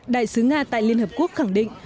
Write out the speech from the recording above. đại sứ nga tại liên hợp quốc khẳng định